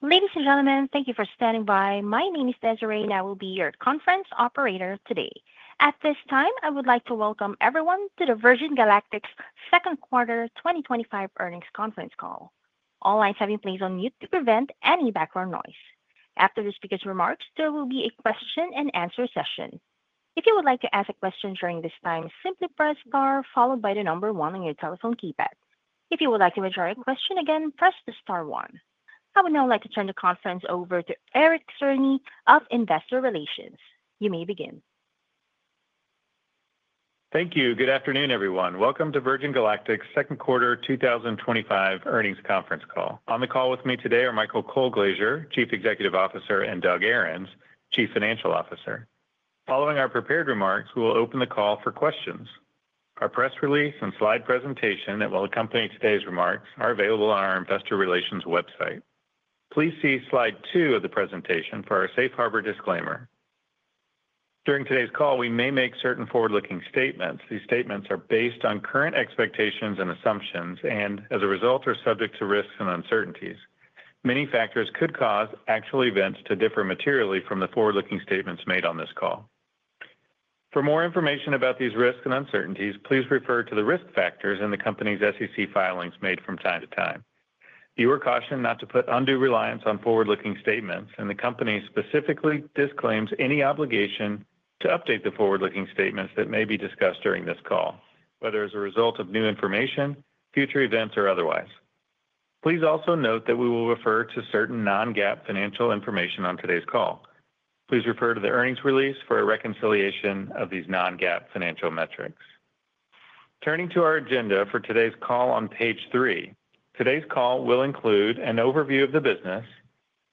Ladies and gentlemen, thank you for standing by. My name is Desiree, and I will be your conference operator today. At this time, I would like to welcome everyone to Virgin Galactic's Second Quarter 2025 Earnings Conference Call. All lines have been placed on mute to prevent any background noise. After the speaker's remarks, there will be a question and answer session. If you would like to ask a question during this time, simply press star followed by the number one on your telephone keypad. If you would like to return a question again, press star one. I would now like to turn the conference over to Eric Cerny of Investor Relations. You may begin. Thank you. Good afternoon, everyone. Welcome to Virgin Galactic's Second Quarter 2025 Earnings ConferenceCcall. On the call with me today are Michael Colglazier, Chief Executive Officer, and Doug Ahrens, Chief Financial Officer. Following our prepared remarks, we will open the call for questions. Our press release and slide presentation that will accompany today's remarks are available on our Investor Relations website. Please see slide two of the presentation for our safe harbor disclaimer. During today's call, we may make certain forward-looking statements. These statements are based on current expectations and assumptions, and as a result, are subject to risks and uncertainties. Many factors could cause actual events to differ materially from the forward-looking statements made on this call. For more information about these risks and uncertainties, please refer to the risk factors in the company's SEC filings made from time to time. You are cautioned not to put undue reliance on forward-looking statements, and the company specifically disclaims any obligation to update the forward-looking statements that may be discussed during this call, whether as a result of new information, future events, or otherwise. Please also note that we will refer to certain non-GAAP financial information on today's call. Please refer to the earnings release for a reconciliation of these non-GAAP financial metrics. Turning to our agenda for today's call on page three, today's call will include an overview of the business,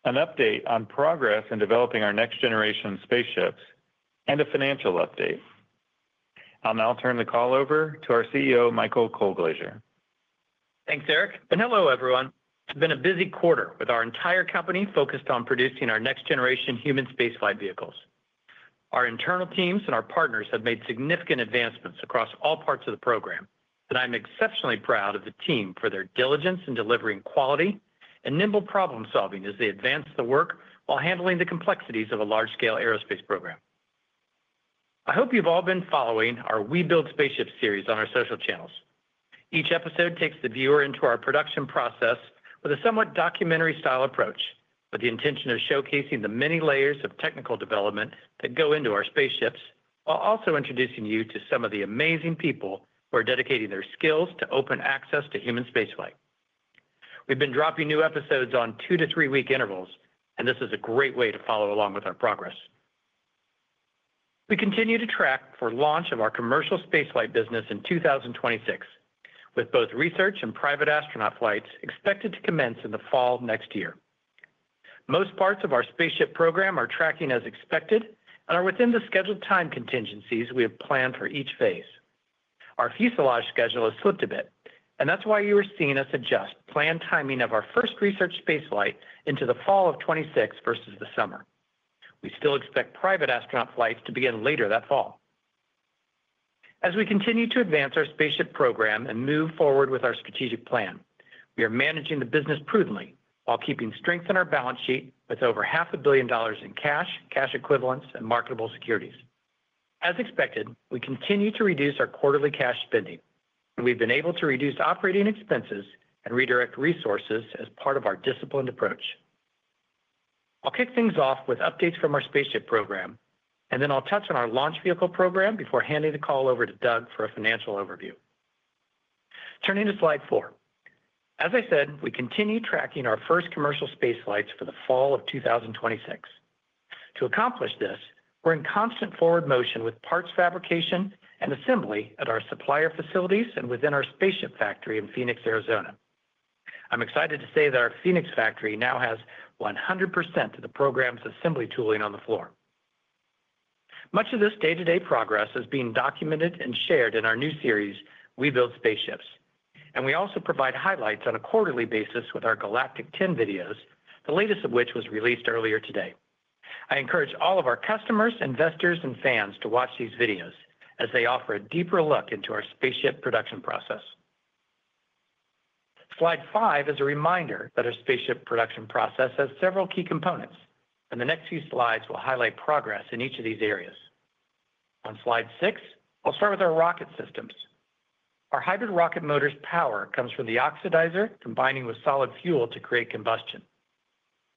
an update on progress in developing our next generation spaceships, and a financial update. I'll now turn the call over to our CEO, Michael Colglazier. Thanks, Eric, and hello, everyone. It's been a busy quarter with our entire company focused on producing our next generation human space flight vehicles. Our internal teams and our partners have made significant advancements across all parts of the program, and I'm exceptionally proud of the team for their diligence in delivering quality and nimble problem solving as they advance the work while handling the complexities of a large-scale aerospace program. I hope you've all been following our We Build Spaceships series on our social channels. Each episode takes the viewer into our production process with a somewhat documentary style approach, with the intention of showcasing the many layers of technical development that go into our spaceships, while also introducing you to some of the amazing people who are dedicating their skills to open access to human space flight. We've been dropping new episodes on two to three week intervals, and this is a great way to follow along with our progress. We continue to track for launch of our commercial space flight business in 2026, with both research and private astronaut flights expected to commence in the fall of next year. Most parts of our spaceship program are tracking as expected and are within the scheduled time contingencies we have planned for each phase. Our fuselage schedule has flipped a bit, and that's why you are seeing us adjust planned timing of our first research space flight into the fall of 2026 versus the summer. We still expect private astronaut flights to begin later that fall. As we continue to advance our spaceship program and move forward with our strategic plan, we are managing the business prudently while keeping strength in our balance sheet with over $500 million in cash, cash equivalents, and marketable securities. As expected, we continue to reduce our quarterly cash spending, and we've been able to reduce operating expenses and redirect resources as part of our disciplined approach. I'll kick things off with updates from our spaceship program, and then I'll touch on our launch vehicle program before handing the call over to Doug for a financial overview. Turning to slide four. As I said, we continue tracking our first commercial space flights for the fall of 2026. To accomplish this, we're in constant forward motion with parts fabrication and assembly at our supplier facilities and within our spaceship factory in Phoenix, Arizona. I'm excited to say that our Phoenix factory now has 100% of the program's assembly tooling on the floor. Much of this day-to-day progress is being documented and shared in our new series, We Build Spaceships, and we also provide highlights on a quarterly basis with our Galactic 10 videos, the latest of which was released earlier today. I encourage all of our customers, investors, and fans to watch these videos as they offer a deeper look into our spaceship production process. Slide five is a reminder that our spaceship production process has several key components, and the next few slides will highlight progress in each of these areas. On slide six, I'll start with our rocket systems. Our hybrid rocket motor's power comes from the oxidizer combining with solid fuel to create combustion.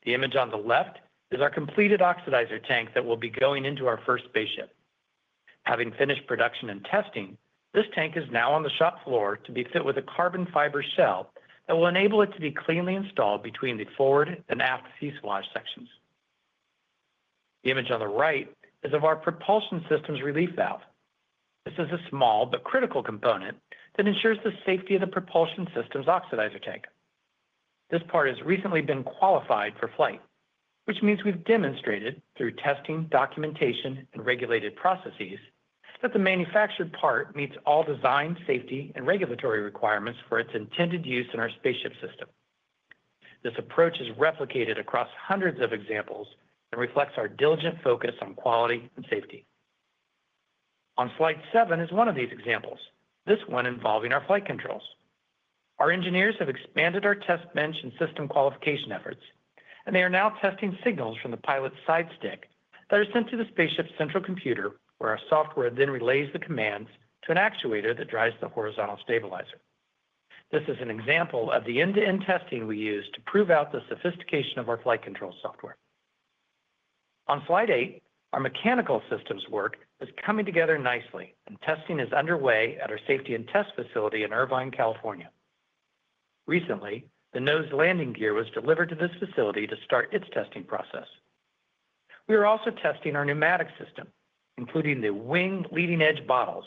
The image on the left is our completed oxidizer tank that will be going into our first spaceship. Having finished production and testing, this tank is now on the shop floor to be fit with a carbon fiber shell that will enable it to be cleanly installed between the forward and aft fuselage sections. The image on the right is of our propulsion system's relief valve. This is a small but critical component that ensures the safety of the propulsion system's oxidizer tank. This part has recently been qualified for flight, which means we've demonstrated through testing, documentation, and regulated processes that the manufactured part meets all design, safety, and regulatory requirements for its intended use in our spaceship system. This approach is replicated across hundreds of examples and reflects our diligent focus on quality and safety. On slide seven is one of these examples, this one involving our flight controls. Our engineers have expanded our test bench and system qualification efforts, and they are now testing signals from the pilot's side stick that are sent to the spaceship's central computer, where our software then relays the commands to an actuator that drives the horizontal stabilizer. This is an example of the end-to-end testing we use to prove out the sophistication of our flight control software. On slide eight, our mechanical systems work is coming together nicely, and testing is underway at our safety and test facility in Irvine, California. Recently, the nose landing gear was delivered to this facility to start its testing process. We are also testing our pneumatic system, including the wing leading edge bottles,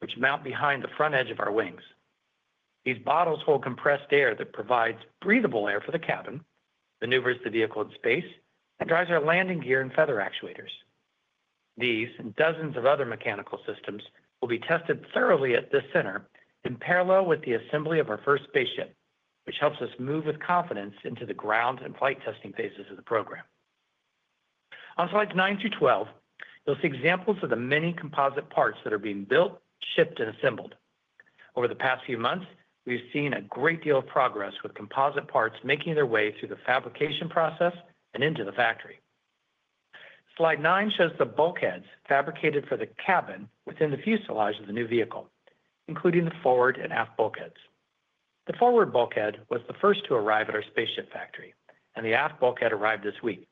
which mount behind the front edge of our wings. These bottles hold compressed air that provides breathable air for the cabin, maneuvers the vehicle in space, and drives our landing gear and feather actuators. These and dozens of other mechanical systems will be tested thoroughly at this center in parallel with the assembly of our first spaceship, which helps us move with confidence into the ground and flight testing phases of the program. On slides nine through 12, you'll see examples of the many composite parts that are being built, shipped, and assembled. Over the past few months, we've seen a great deal of progress with composite parts making their way through the fabrication process and into the factory. Slide nine shows the bulkheads fabricated for the cabin within the fuselage of the new vehicle, including the forward and aft bulkheads. The forward bulkhead was the first to arrive at our spaceship factory, and the aft bulkhead arrived this week.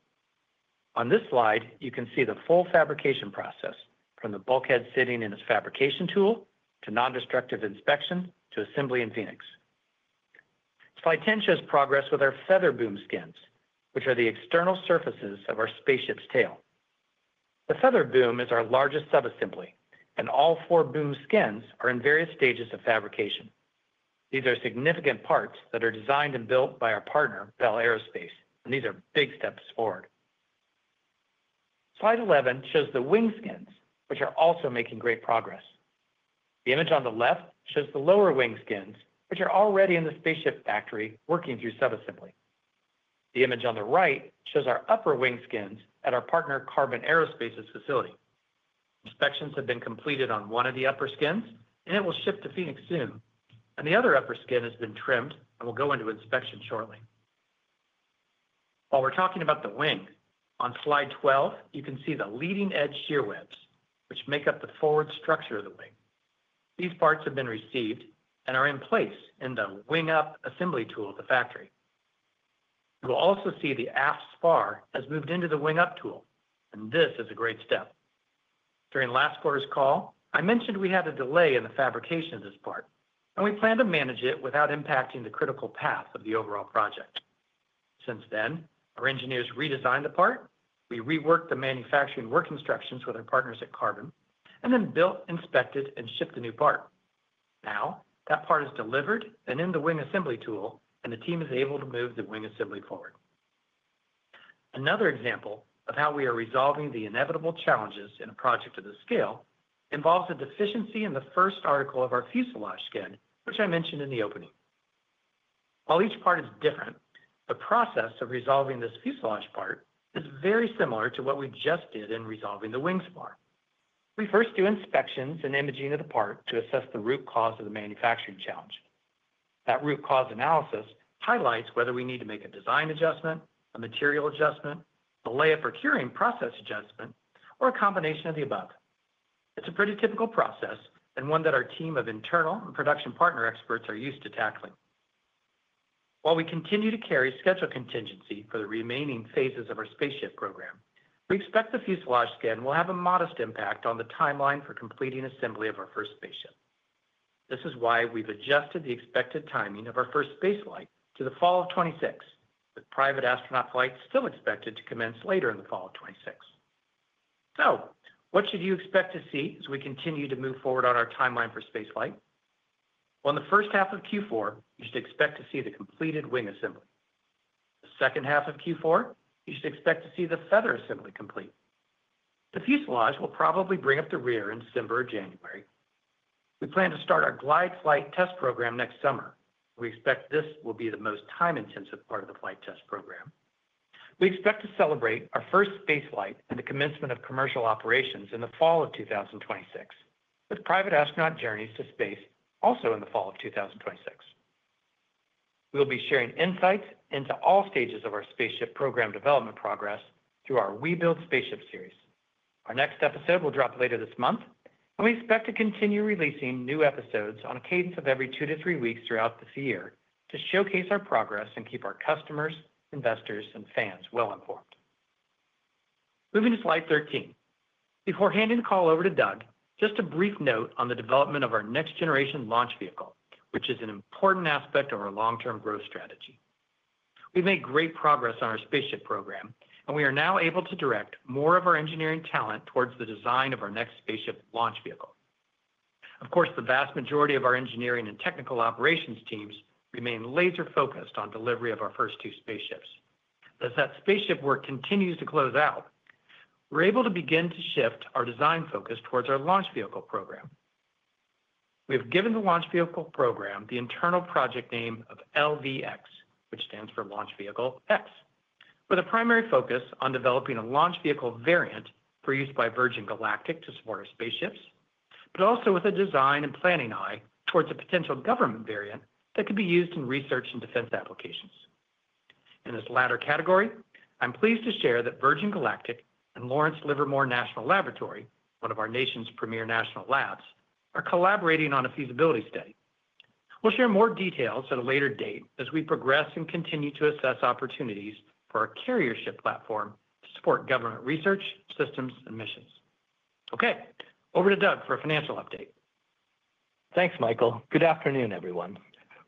On this slide, you can see the full fabrication process from the bulkhead sitting in its fabrication tool to non-destructive inspection to assembly in Phoenix. Slide 10 shows progress with our feather boom skins, which are the external surfaces of our spaceship's tail. The feather boom is our largest subassembly, and all four boom skins are in various stages of fabrication. These are significant parts that are designed and built by our partner, Bell Aerospace, and these are big steps forward. Slide 11 shows the wing skins, which are also making great progress. The image on the left shows the lower wing skins, which are already in the spaceship factory working through subassembly. The image on the right shows our upper wing skins at our partner, Qarbon Aerospace's facility. Inspections have been completed on one of the upper skins, and it will ship to Phoenix soon, and the other upper skin has been trimmed and will go into inspection shortly. While we're talking about the wing, on slide 12, you can see the leading edge shear webs, which make up the forward structure of the wing. These parts have been received and are in place in the wing-up assembly tool at the factory. You'll also see the aft spar has moved into the wing-up tool, and this is a great step. During last quarter's call, I mentioned we had a delay in the fabrication of this part, and we plan to manage it without impacting the critical path of the overall project. Since then, our engineers redesigned the part, we reworked the manufacturing work instructions with our partners at Qarbon, and then built, inspected, and shipped the new part. Now that part is delivered and in the wing assembly tool, and the team is able to move the wing assembly forward. Another example of how we are resolving the inevitable challenges in a project of this scale involves a deficiency in the first article of our fuselage skin, which I mentioned in the opening. While each part is different, the process of resolving this fuselage part is very similar to what we just did in resolving the wing spar. We first do inspections and imaging of the part to assess the root cause of the manufacturing challenge. That root cause analysis highlights whether we need to make a design adjustment, a material adjustment, a layup or curing process adjustment, or a combination of the above. It's a pretty typical process and one that our team of internal and production partner experts are used to tackling. While we continue to carry schedule contingency for the remaining phases of our spaceship program, we expect the fuselage skin will have a modest impact on the timeline for completing assembly of our first spaceship. This is why we've adjusted the expected timing of our first space flight to the fall of 2026, with private astronaut flights still expected to commence later in the fall of 2026. What should you expect to see as we continue to move forward on our timeline for space flight? In the first half of Q4, you should expect to see the completed wing assembly. In the second half of Q4, you should expect to see the feather assembly complete. The fuselage will probably bring up the rear in December or January. We plan to start our glide flight test program next summer. We expect this will be the most time-intensive part of the flight test program. We expect to celebrate our first space flight and the commencement of commercial operations in the fall of 2026, with private astronaut journeys to space also in the fall of 2026. We'll be sharing insights into all stages of our spaceship program development progress through our We Build Spaceships series. Our next episode will drop later this month, and we expect to continue releasing new episodes on a cadence of every two to three weeks throughout this year to showcase our progress and keep our customers, investors, and fans well informed. Moving to slide 13, before handing the call over to Doug, just a brief note on the development of our next generation launch vehicle, which is an important aspect of our long-term growth strategy. We've made great progress on our spaceship program, and we are now able to direct more of our engineering talent towards the design of our next spaceship launch vehicle. Of course, the vast majority of our engineering and technical operations teams remain laser-focused on delivery of our first two spaceships. As that spaceship work continues to close out, we're able to begin to shift our design focus towards our launch vehicle program. We've given the launch vehicle program the internal project name of LV-X, which stands for Launch Vehicle X, with a primary focus on developing a launch vehicle variant for use by Virgin Galactic to support our spaceships, but also with a design and planning eye towards a potential government variant that could be used in research and defense applications. In this latter category, I'm pleased to share that Virgin Galactic and Lawrence Livermore National Laboratory, one of our nation's premier national labs, are collaborating on a feasibility study. We'll share more details at a later date as we progress and continue to assess opportunities for our carrier ship platform to support government research, systems, and missions. Okay, over to Doug for a financial update. Thanks, Michael. Good afternoon, everyone.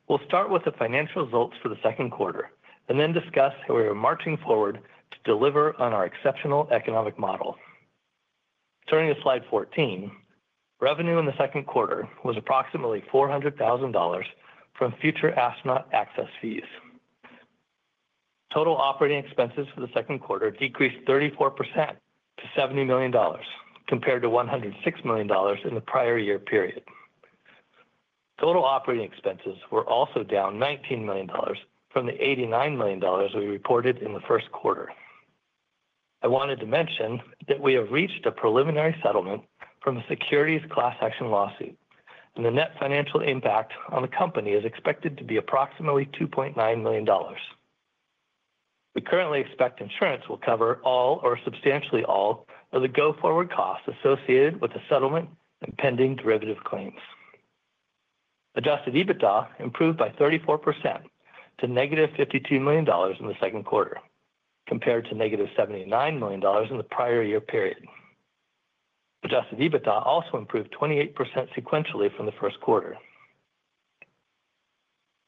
We'll start with the financial results for the second quarter and then discuss how we are marching forward to deliver on our exceptional economic model. Turning to slide 14, revenue in the second quarter was approximately $400,000 from future astronaut access fees. Total operating expenses for the second quarter decreased 34% to $70 million, compared to $106 million in the prior year period. Total operating expenses were also down $19 million from the $89 million we reported in the first quarter. I wanted to mention that we have reached a preliminary settlement from the securities class action lawsuit, and the net financial impact on the company is expected to be approximately $2.9 million. We currently expect insurance will cover all or substantially all of the go-forward costs associated with the settlement and pending derivative claims. Adjusted EBITDA improved by 34% to $52 million in the second quarter, compared to -$79 million in the prior year period. Adjusted EBITDA also improved 28% sequentially from the first quarter.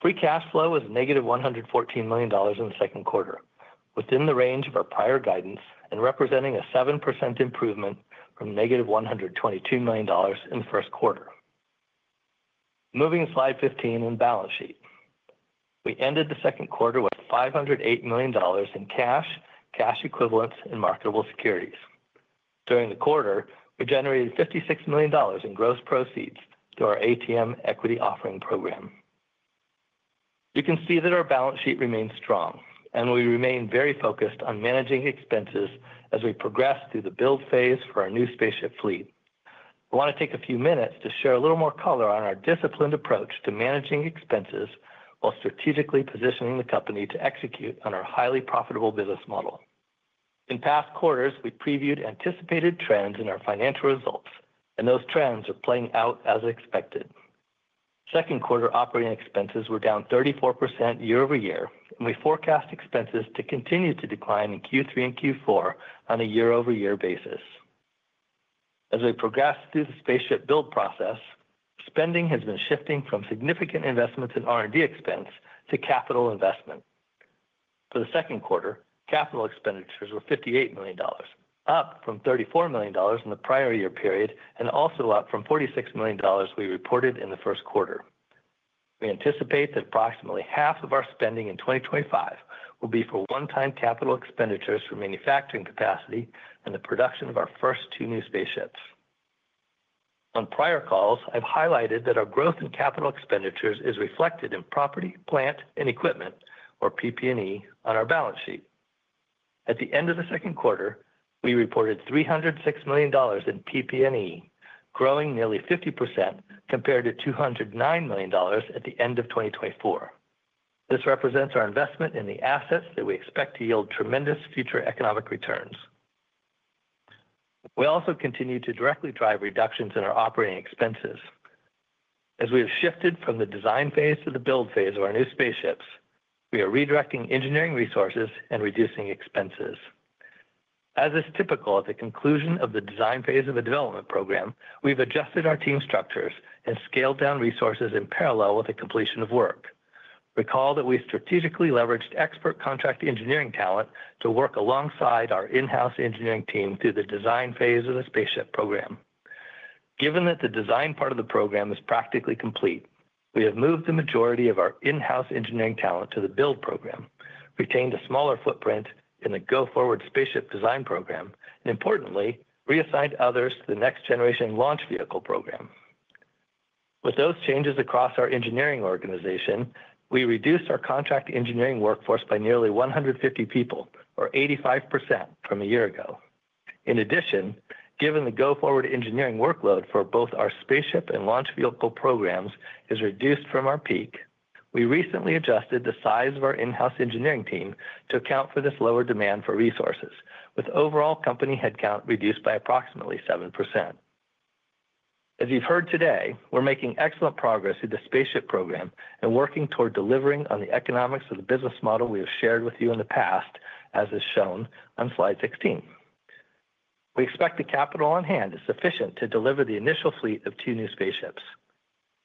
Free cash flow was -$114 million in the second quarter, within the range of our prior guidance and representing a 7% improvement from -$122 million in the first quarter. Moving to slide 15 and balance sheet, we ended the second quarter with $508 million in cash, cash equivalents, and marketable securities. During the quarter, we generated $56 million in gross proceeds through our ATM equity offering program. You can see that our balance sheet remains strong, and we remain very focused on managing expenses as we progress through the build phase for our new spaceship fleet. I want to take a few minutes to share a little more color on our disciplined approach to managing expenses while strategically positioning the company to execute on our highly profitable business model. In past quarters, we previewed anticipated trends in our financial results, and those trends are playing out as expected. Second quarter operating expenses were down 34% year-over-year, and we forecast expenses to continue to decline in Q3 and Q4 on a year-over-year basis. As we progressed through the spaceship build process, spending has been shifting from significant investments in R&D expense to capital investment. For the second quarter, capital expenditures were $58 million, up from $34 million in the prior year period and also up from $46 million we reported in the first quarter. We anticipate that approximately half of our spending in 2025 will be for one-time capital expenditures for manufacturing capacity and the production of our first two new spaceships. On prior calls, I've highlighted that our growth in capital expenditures is reflected in property, plant, and equipment, or PP&E, on our balance sheet. At the end of the second quarter, we reported $306 million in PP&E, growing nearly 50% compared to $209 million at the end of 2024. This represents our investment in the assets that we expect to yield tremendous future economic returns. We also continue to directly drive reductions in our operating expenses. As we have shifted from the design phase to the build phase of our new spaceships, we are redirecting engineering resources and reducing expenses. As is typical at the conclusion of the design phase of a development program, we've adjusted our team structures and scaled down resources in parallel with the completion of work. Recall that we strategically leveraged expert contract engineering talent to work alongside our in-house engineering team through the design phase of the spaceship program. Given that the design part of the program is practically complete, we have moved the majority of our in-house engineering talent to the build program, retained a smaller footprint in the go-forward spaceship design program, and importantly, reassigned others to the next generation launch vehicle program. With those changes across our engineering organization, we reduced our contract engineering workforce by nearly 150 people, or 85% from a year ago. In addition, given the go-forward engineering workload for both our spaceship and launch vehicle programs has reduced from our peak, we recently adjusted the size of our in-house engineering team to account for this lower demand for resources, with overall company headcount reduced by approximately 7%. As you've heard today, we're making excellent progress through the spaceship program and working toward delivering on the economics of the business model we have shared with you in the past, as is shown on slide 16. We expect the capital on hand is sufficient to deliver the initial fleet of two new spaceships.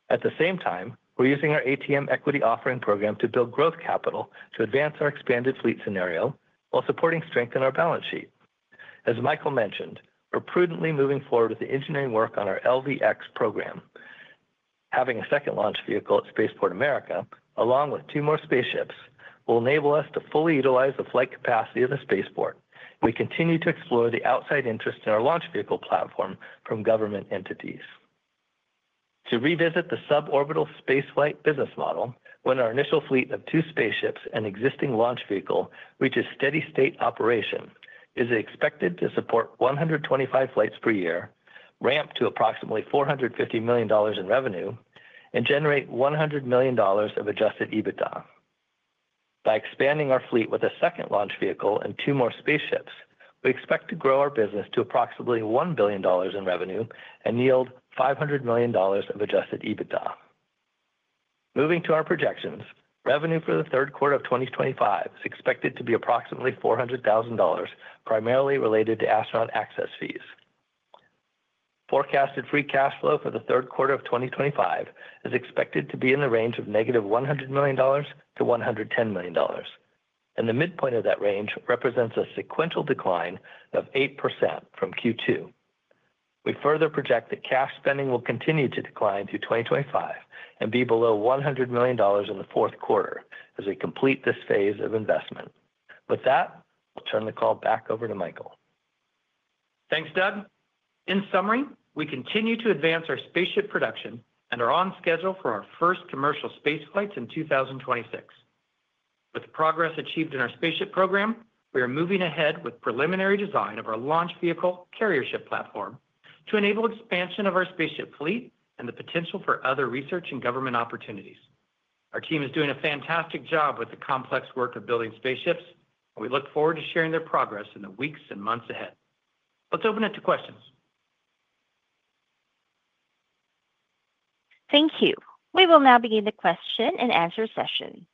At the same time, we're using our ATM equity offering program to build growth capital to advance our expanded fleet scenario while supporting strength in our balance sheet. As Michael mentioned, we're prudently moving forward with the engineering work on our LV-X program. Having a second launch vehicle at Spaceport America, along with two more spaceships, will enable us to fully utilize the flight capacity of the spaceport, and we continue to explore the outside interest in our launch vehicle platform from government entities. To revisit the suborbital space flight business model, when our initial fleet of two spaceships and existing launch vehicle reaches steady state operation, it is expected to support 125 flights per year, ramp to approximately $450 million in revenue, and generate $100 million of adjusted EBITDA. By expanding our fleet with a second launch vehicle and two more spaceships, we expect to grow our business to approximately $1 billion in revenue and yield $500 million of adjusted EBITDA. Moving to our projections, revenue for the third quarter of 2025 is expected to be approximately $400,000, primarily related to astronaut access fees. Forecasted free cash flow for the third quarter of 2025 is expected to be in the range of -$100 million to -$110 million, and the midpoint of that range represents a sequential decline of 8% from Q2. We further project that cash spending will continue to decline through 2025 and be below $100 million in the fourth quarter as we complete this phase of investment. With that, I'll turn the call back over to Michael. Thanks, Doug. In summary, we continue to advance our spaceship production and are on schedule for our first commercial space flights in 2026. With progress achieved in our spaceship program, we are moving ahead with preliminary design of our launch vehicle carrier ship platform to enable expansion of our spaceship fleet and the potential for other research and government opportunities. Our team is doing a fantastic job with the complex work of building spaceships, and we look forward to sharing their progress in the weeks and months ahead. Let's open it to questions. Thank you. We will now begin the question and answer session.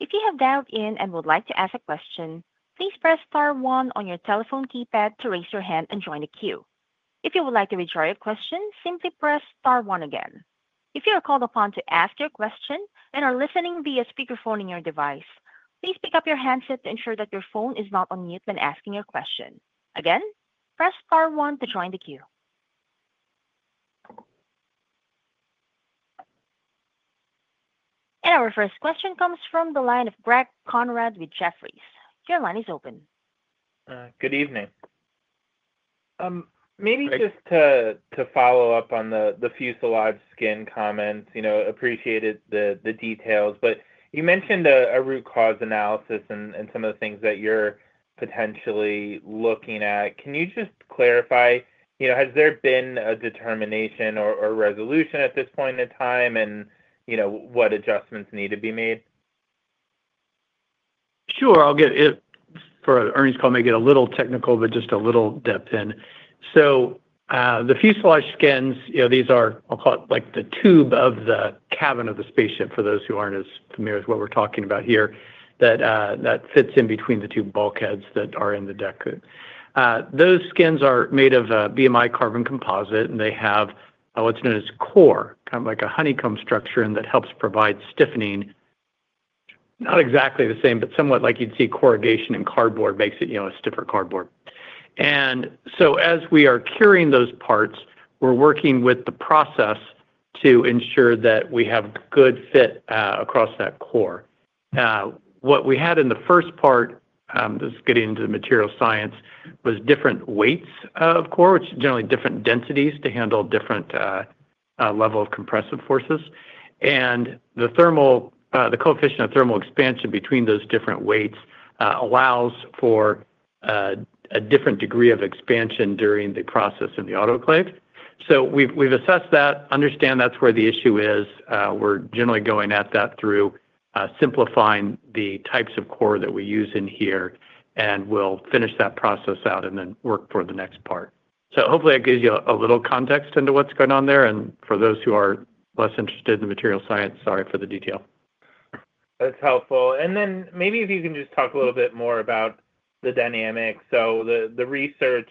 If you have dialed in and would like to ask a question, please press star one on your telephone keypad to raise your hand and join the queue. If you would like to reach out with a question, simply press star one again. If you are called upon to ask your question and are listening via speakerphone on your device, please pick up your handset to ensure that your phone is not on mute when asking your question. Again, press star one to join the queue. Our first question comes from the line of Greg Konrad with Jefferies. Your line is open. Good evening. Maybe just to follow up on the fuselage skin comments, appreciated the details, but you mentioned a root cause analysis and some of the things that you're potentially looking at. Can you just clarify, has there been a determination or resolution at this point in time and what adjustments need to be made? Sure, I'll get it for an earnings call. It may get a little technical, but just a little depth in. The fuselage skins, you know, these are, I'll call it like the tube of the cabin of the spaceship for those who aren't as familiar with what we're talking about here, that fits in between the two bulkheads that are in the deck. Those skins are made of a BMI carbon composite, and they have what's known as core, kind of like a honeycomb structure, and that helps provide stiffening. Not exactly the same, but somewhat like you'd see corrugation in cardboard makes it, you know, a stiffer cardboard. As we are curing those parts, we're working with the process to ensure that we have good fit across that core. What we had in the first part, this is getting into the material science, was different weights of core, which is generally different densities to handle different level of compressive forces. The coefficient of thermal expansion between those different weights allows for a different degree of expansion during the process of the autoclave. We've assessed that, understand that's where the issue is. We're generally going at that through simplifying the types of core that we use in here, and we'll finish that process out and then work for the next part. Hopefully, that gives you a little context into what's going on there, and for those who are less interested in the material science, sorry for the detail. That's helpful. Maybe if you can just talk a little bit more about the dynamics. The research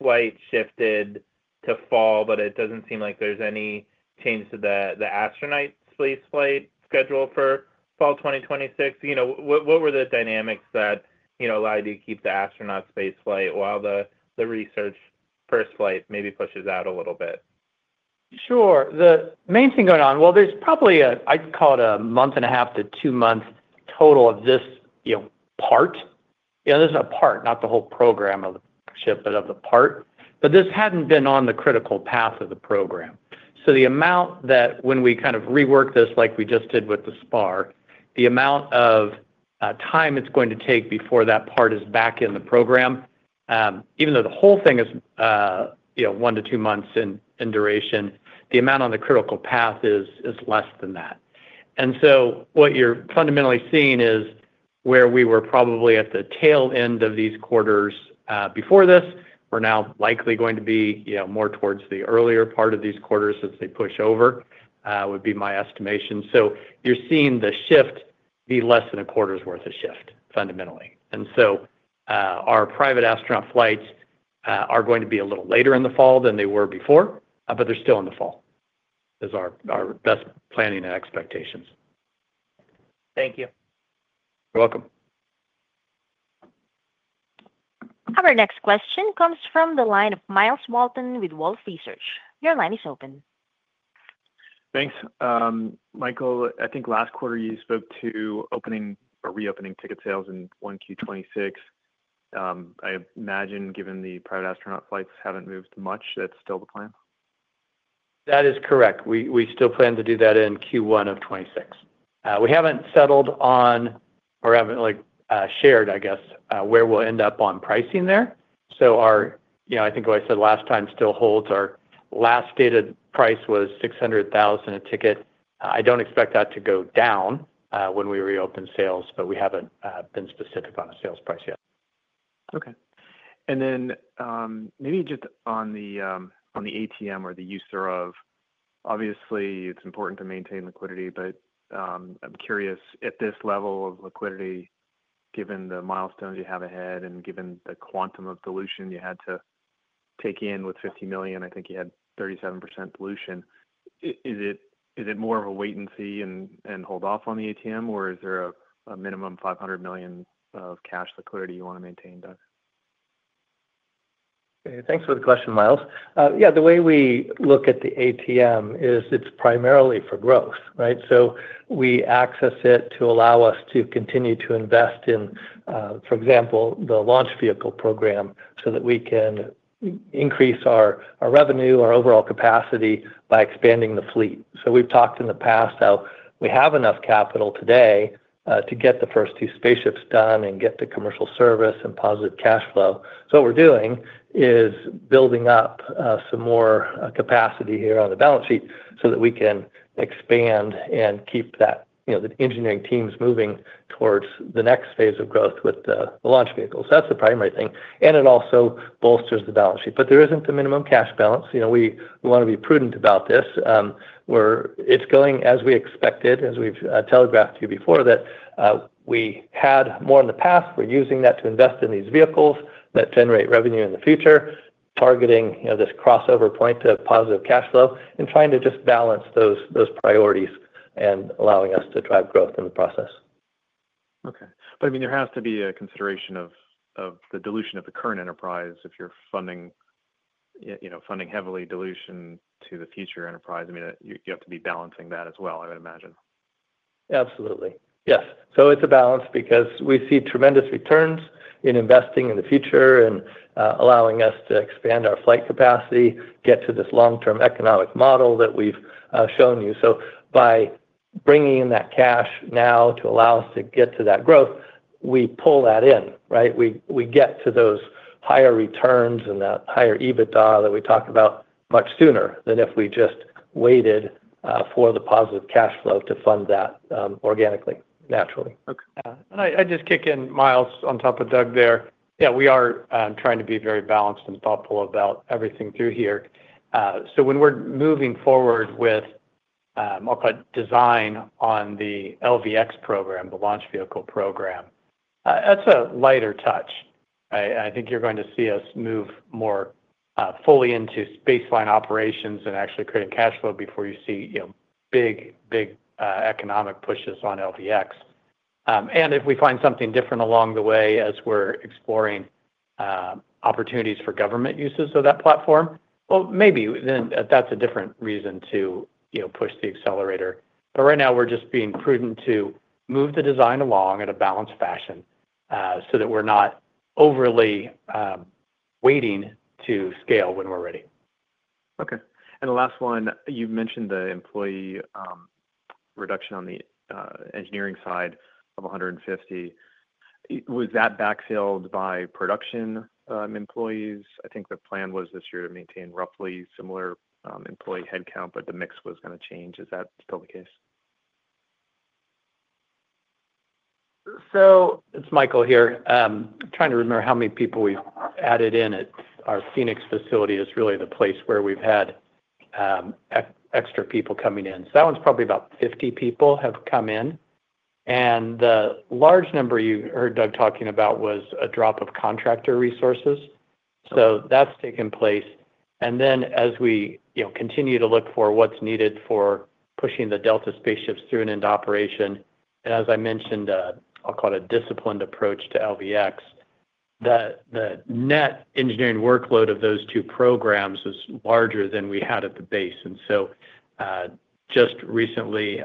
flight shifted to fall, but it doesn't seem like there's any change to the astronaut space flight schedule for fall 2026. What were the dynamics that allow you to keep the astronaut space flight while the research first flight maybe pushes out a little bit? Sure. The main thing going on, there's probably a, I'd call it a month and a half to two months total of this part. This is a part, not the whole program of the ship, but of the part. This hadn't been on the critical path of the program. The amount that when we kind of reworked this, like we just did with the spar, the amount of time it's going to take before that part is back in the program, even though the whole thing is one to two months in duration, the amount on the critical path is less than that. What you're fundamentally seeing is where we were probably at the tail end of these quarters before this, we're now likely going to be more towards the earlier part of these quarters as they push over, would be my estimation. You're seeing the shift be less than a quarter's worth of shift, fundamentally. Our private astronaut flights are going to be a little later in the fall than they were before, but they're still in the fall. Those are our best planning and expectations. Thank you. You're welcome. Our next question comes from the line of Myles Walton with Wolfe Research. Your line is open. Thanks. Michael, I think last quarter you spoke to opening or reopening ticket sales in 1Q 2026. I imagine given the private astronaut flights haven't moved much, that's still the plan? That is correct. We still plan to do that in Q1 of 2026. We haven't settled on, or haven't, I guess, shared where we'll end up on pricing there. I think what I said last time still holds. Our last stated price was $600,000 a ticket. I don't expect that to go down when we reopen sales, but we haven't been specific on a sales price yet. Okay. Maybe just on the ATM or the usurer, obviously it's important to maintain liquidity, but I'm curious at this level of liquidity, given the milestones you have ahead and given the quantum of dilution you had to take in with $50 million, I think you had 37% dilution. Is it more of a wait and see and hold off on the ATM, or is there a minimum $500 million of cash liquidity you want to maintain, Doug? Thanks for the question, Myles. Yeah, the way we look at the ATM is it's primarily for growth, right? We access it to allow us to continue to invest in, for example, the launch vehicle program so that we can increase our revenue, our overall capacity by expanding the fleet. We've talked in the past how we have enough capital today to get the first two spaceships done and get the commercial service and positive cash flow. What we're doing is building up some more capacity here on the balance sheet so that we can expand and keep that, you know, the engineering teams moving towards the next phase of growth with the launch vehicles. That's the primary thing. It also bolsters the balance sheet, but there isn't a minimum cash balance. You know, we want to be prudent about this. It's going as we expected, as we've telegraphed to you before, that we had more in the past. We're using that to invest in these vehicles that generate revenue in the future, targeting, you know, this crossover point to positive cash flow and trying to just balance those priorities and allowing us to drive growth in the process. Okay. There has to be a consideration of the dilution of the current enterprise if you're funding, you know, funding heavily dilution to the future enterprise. You have to be balancing that as well, I would imagine. Absolutely. Yes. It's a balance because we see tremendous returns in investing in the future and allowing us to expand our flight capacity, get to this long-term economic model that we've shown you. By bringing in that cash now to allow us to get to that growth, we pull that in, right? We get to those higher returns and that higher EBITDA that we talked about much sooner than if we just waited for the positive cash flow to fund that organically, naturally. Okay. I just kick in, Myles, on top of Doug there. Yeah, we are trying to be very balanced and thoughtful about everything through here. When we're moving forward with, I'll call it design on the LV-X program, the launch vehicle program, that's a lighter touch. I think you're going to see us move more fully into space line operations and actually creating cash flow before you see big, big economic pushes on LV-X. If we find something different along the way as we're exploring opportunities for government uses of that platform, maybe then that's a different reason to push the accelerator. Right now, we're just being prudent to move the design along in a balanced fashion so that we're not overly waiting to scale when we're ready. Okay. The last one, you mentioned the employee reduction on the engineering side of 150. Was that backfilled by production employees? I think the plan was this year to maintain roughly similar employee headcount, but the mix was going to change. Is that still the case? It's Michael here. I'm trying to remember how many people we've added in at our Phoenix facility. It's really the place where we've had extra people coming in. That one's probably about 50 people have come in. The large number you heard Doug talking about was a drop of contractor resources. That's taken place. As we continue to look for what's needed for pushing the Delta spaceships through an end operation, as I mentioned, I'll call it a disciplined approach to LV-X. The net engineering workload of those two programs is larger than we had at the base. Just recently,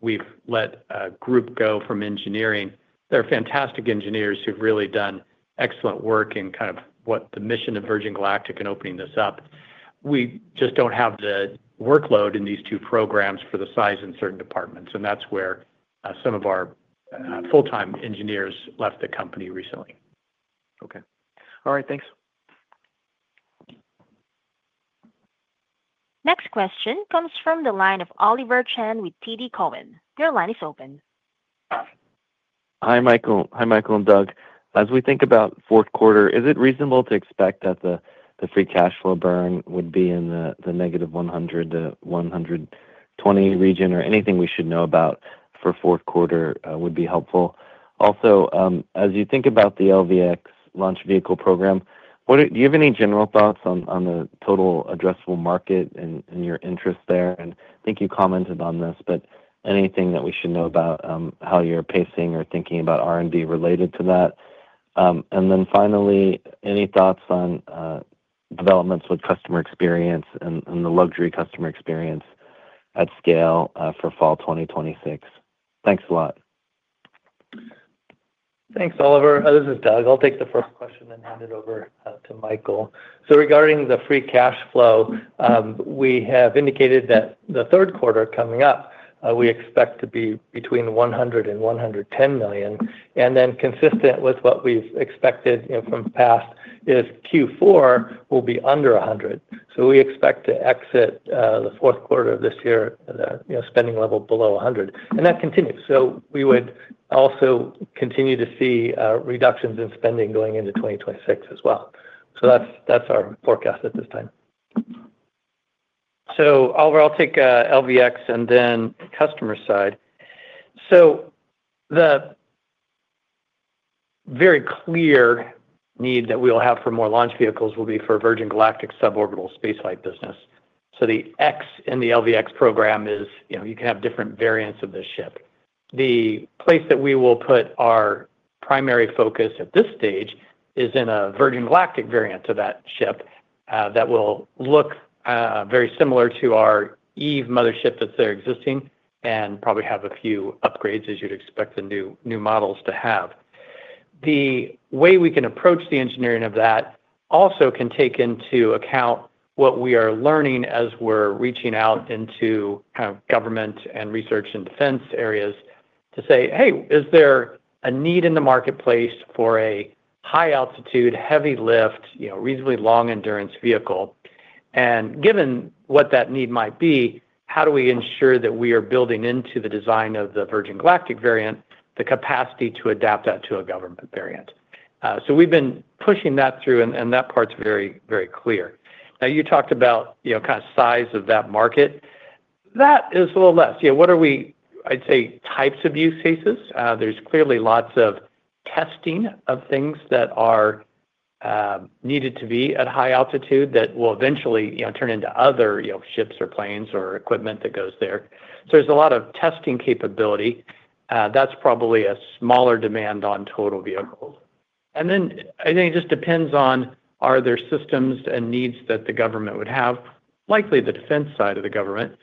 we've let a group go from engineering. They're fantastic engineers who've really done excellent work in kind of what the mission of Virgin Galactic and opening this up. We just don't have the workload in these two programs for the size in certain departments. That's where some of our full-time engineers left the company recently. Okay. All right, thanks. Next question comes from the line of Oliver Chen with TD Cowen. Your line is open. Hi, Michael. Hi, Michael and Doug. As we think about fourth quarter, is it reasonable to expect that the free cash flow burn would be in the -$100 million to -$120 million region, or anything we should know about for fourth quarter would be helpful? Also, as you think about the LV-X launch vehicle program, do you have any general thoughts on the total addressable market and your interest there? I think you commented on this, but anything that we should know about how you're pacing or thinking about R&D related to that? Finally, any thoughts on developments with customer experience and the luxury customer experience at scale for fall 2026? Thanks a lot. Thanks, Oliver. This is Doug. I'll take the first question and hand it over to Michael. Regarding the free cash flow, we have indicated that the third quarter coming up, we expect to be between $100 million and $110 million. Consistent with what we've expected from the past, Q4 will be under $100 million. We expect to exit the fourth quarter of this year at a spending level below $100 million, and that continues. We would also continue to see reductions in spending going into 2026 as well. That's our forecast at this time. Oliver, I'll take LV-X and then customer side. The very clear need that we will have for more launch vehicles will be for Virgin Galactic suborbital space flight business. The X in the LV-X program is, you know, you can have different variants of this ship. The place that we will put our primary focus at this stage is in a Virgin Galactic variant to that ship that will look very similar to our Eve mother ship that's there existing and probably have a few upgrades as you'd expect the new models to have. The way we can approach the engineering of that also can take into account what we are learning as we're reaching out into government and research and defense areas to say, hey, is there a need in the marketplace for a high-altitude, heavy lift, reasonably long endurance vehicle? Given what that need might be, how do we ensure that we are building into the design of the Virgin Galactic variant the capacity to adapt that to a government variant? We've been pushing that through and that part's very, very clear. You talked about kind of size of that market. That is a little less. What are we, I'd say, types of use cases? There's clearly lots of testing of things that are needed to be at high altitude that will eventually turn into other ships or planes or equipment that goes there. There's a lot of testing capability. That's probably a smaller demand on total vehicles. I think it just depends on, are there systems and needs that the government would have, likely the defense side of the government,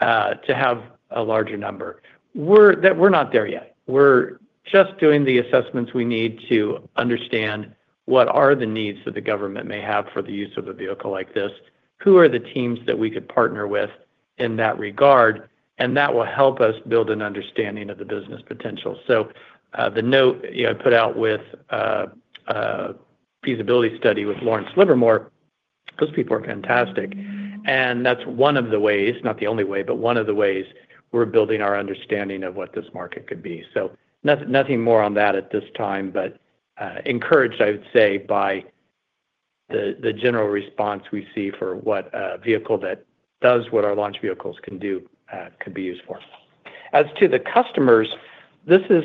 to have a larger number? We're not there yet. We're just doing the assessments we need to understand what are the needs that the government may have for the use of a vehicle like this, who are the teams that we could partner with in that regard, and that will help us build an understanding of the business potential. The note I put out with a feasibility study with Lawrence Livermore, those people are fantastic. That is one of the ways, not the only way, we're building our understanding of what this market could be. Nothing more on that at this time, but encouraged, I would say, by the general response we see for what a vehicle that does what our launch vehicles can do could be used for. As to the customers, this is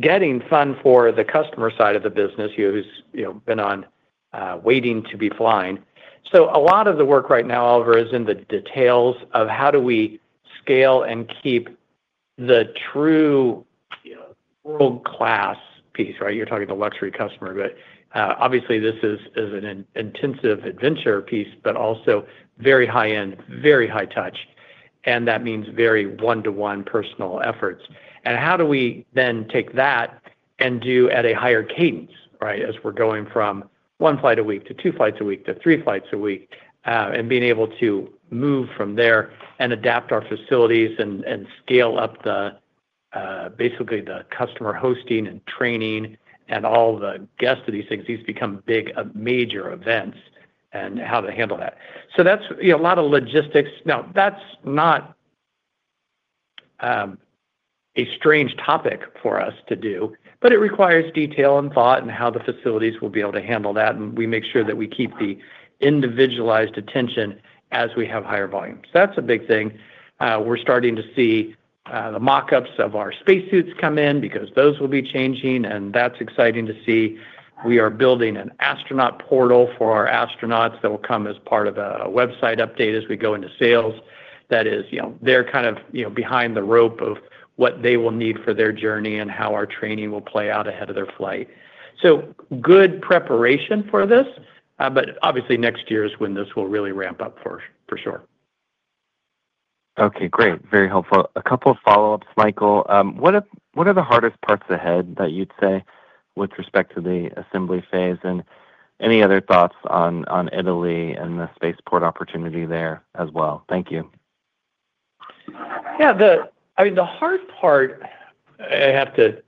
getting fun for the customer side of the business, you know, who's been on waiting to be flying. A lot of the work right now, Oliver, is in the details of how do we scale and keep the true, world-class piece, right? You're talking to a luxury customer, but obviously this is an intensive adventure piece, but also very high-end, very high-touch. That means very one-to-one personal efforts. How do we then take that and do at a higher cadence, right? As we're going from one flight a week to two flights a week to three flights a week, and being able to move from there and adapt our facilities and scale up the, basically, the customer hosting and training and all the guests of these things, these become big, major events, and how to handle that. That is a lot of logistics. Now, that's not a strange topic for us to do, but it requires detail and thought and how the facilities will be able to handle that, and we make sure that we keep the individualized attention as we have higher volumes. That's a big thing. We're starting to see the mockups of our spacesuits come in because those will be changing, and that's exciting to see. We are building an astronaut portal for our astronauts that will come as part of a website update as we go into sales. That is, they're kind of, you know, behind the rope of what they will need for their journey and how our training will play out ahead of their flight. Good preparation for this, but obviously next year is when this will really ramp up for sure. Okay, great. Very helpful. A couple of follow-ups, Michael. What are the hardest parts ahead that you'd say with respect to the assembly phase, and any other thoughts on Italy and the spaceport opportunity there as well? Thank you. Yeah, I mean, the hard part, I have to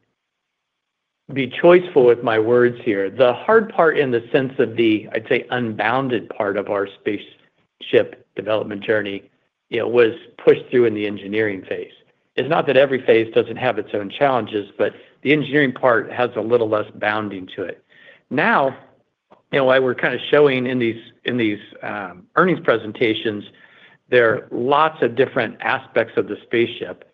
be choiceful with my words here. The hard part in the sense of the, I'd say, unbounded part of our spaceship development journey was pushed through in the engineering phase. It's not that every phase doesn't have its own challenges, but the engineering part has a little less bounding to it. Now, you know, why we're kind of showing in these earnings presentations, there are lots of different aspects of the spaceship,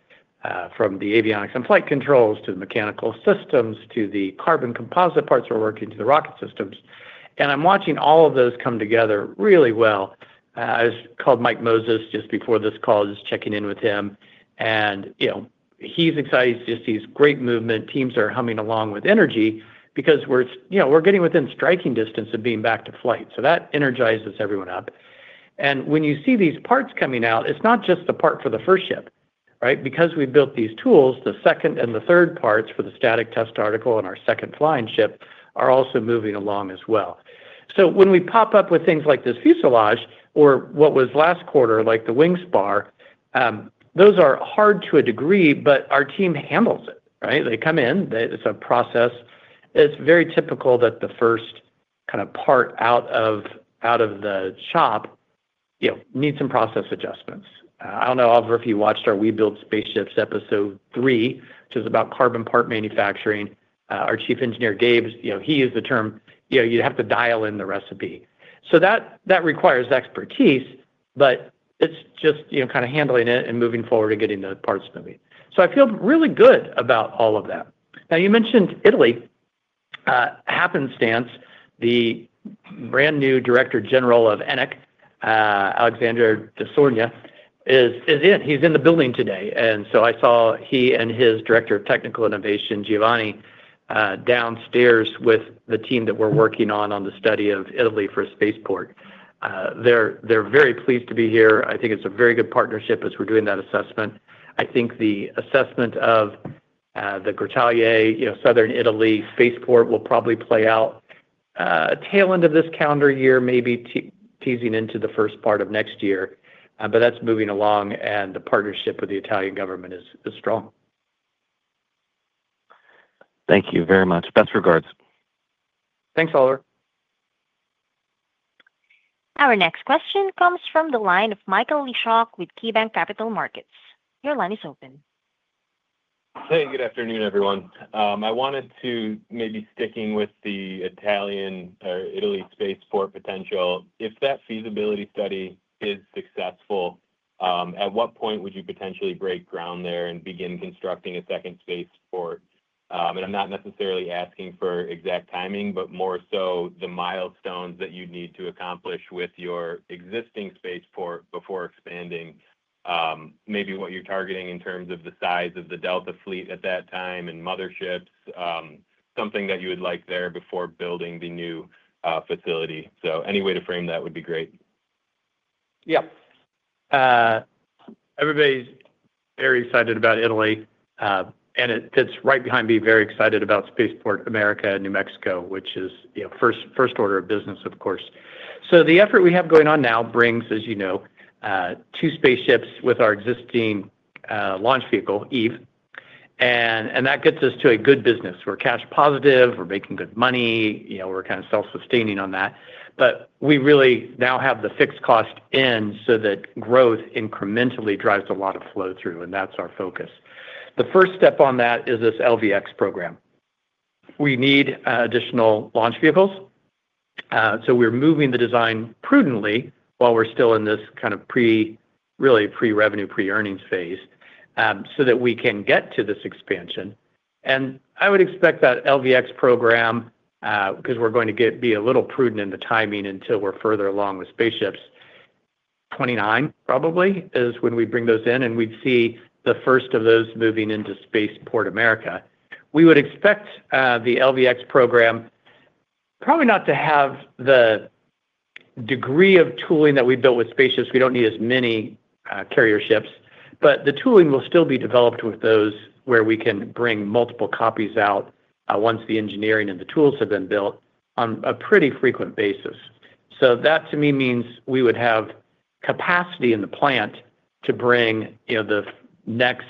from the avionics and flight controls to the mechanical systems to the carbon composite parts we're working to the rocket systems. I'm watching all of those come together really well. I called Mike Moses just before this call, just checking in with him. He's excited. He's just, he's great movement. Teams are humming along with energy because we're, you know, we're getting within striking distance of being back to flight. That energizes everyone up. When you see these parts coming out, it's not just the part for the first ship, right? Because we built these tools, the second and the third parts for the static test article and our second flying ship are also moving along as well. When we pop up with things like this fuselage or what was last quarter, like the wing spar, those are hard to a degree, but our team handles it, right? They come in, it's a process. It's very typical that the first kind of part out of the shop needs some process adjustments. I don't know, Oliver, if you watched our We Build Spaceships episode three, which is about carbon part manufacturing, our Chief Engineer Gabe, you know, he used the term, you know, you'd have to dial in the recipe. That requires expertise, but it's just, you know, kind of handling it and moving forward and getting the parts moving. I feel really good about all of that. You mentioned Italy. Happenstance, the brand new Director General of ENAC, Alexander D’Orsogna, is in. He's in the building today. I saw he and his Director of Technical Innovation, Giovanni, downstairs with the team that we're working on on the study of Italy for a spaceport. They're very pleased to be here. I think it's a very good partnership as we're doing that assessment. I think the assessment of the Grottaglie, you know, Southern Italy spaceport will probably play out tail end of this calendar year, maybe teasing into the first part of next year. That's moving along, and the partnership with the Italian government is strong. Thank you very much. Best regards. Thanks, Oliver. Our next question comes from the line of Michael Leshock with KeyBanc Capital Markets. Your line is open. Hey, good afternoon, everyone. I wanted to maybe stick in with the Italian or Italy spaceport potential. If that feasibility study is successful, at what point would you potentially break ground there and begin constructing a second spaceport? I'm not necessarily asking for exact timing, but more so the milestones that you'd need to accomplish with your existing spaceport before expanding. Maybe what you're targeting in terms of the size of the Delta fleet at that time and motherships, something that you would like there before building the new facility. Any way to frame that would be great. Yep. Everybody's very excited about Italy, and it fits right behind me, very excited about Spaceport America in New Mexico, which is, you know, first order of business, of course. The effort we have going on now brings, as you know, two spaceships with our existing launch vehicle, Eve. That gets us to a good business. We're cash positive, we're making good money, you know, we're kind of self-sustaining on that. We really now have the fixed cost in so that growth incrementally drives a lot of flow through, and that's our focus. The first step on that is this LV-X program. We need additional launch vehicles. We're moving the design prudently while we're still in this kind of pre-revenue, pre-earnings phase, so that we can get to this expansion. I would expect that LV-X program, because we're going to be a little prudent in the timing until we're further along with spaceships, 2029 probably is when we bring those in, and we'd see the first of those moving into Spaceport America. We would expect the LV-X program probably not to have the degree of tooling that we built with spaceships. We don't need as many carrier ships, but the tooling will still be developed with those where we can bring multiple copies out once the engineering and the tools have been built on a pretty frequent basis. That to me means we would have capacity in the plant to bring, you know, the next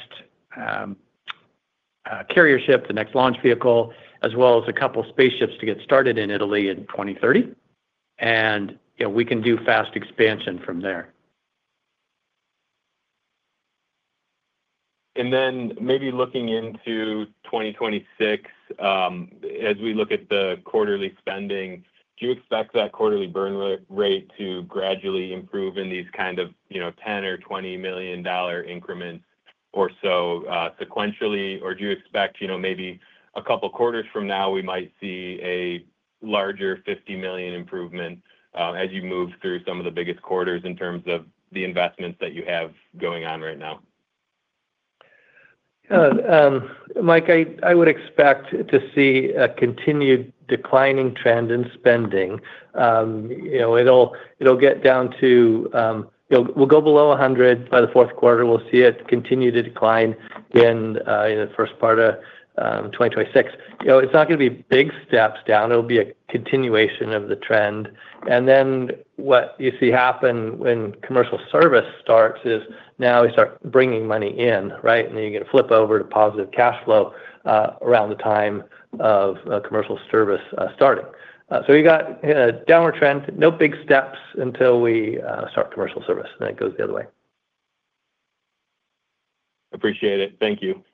carrier ship, the next launch vehicle, as well as a couple of spaceships to get started in Italy in 2030. You know, we can do fast expansion from there. Looking into 2026, as we look at the quarterly spending, do you expect that quarterly burn rate to gradually improve in these kind of, you know, $10 million or $20 million increments or so sequentially, or do you expect, you know, maybe a couple of quarters from now we might see a larger $50 million improvement as you move through some of the biggest quarters in terms of the investments that you have going on right now? Yeah, Mike, I would expect to see a continued declining trend in spending. It'll get down to, you know, we'll go below $100 million by the fourth quarter. We'll see it continue to decline again in the first part of 2026. It's not going to be big steps down. It'll be a continuation of the trend. What you see happen when commercial service starts is now we start bringing money in, right? You get a flip over to positive cash flow around the time of commercial service starting. We got a downward trend, no big steps until we start commercial service, and it goes the other way. Appreciate it. Thank you. Thanks.